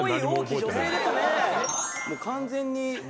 「もう完全に」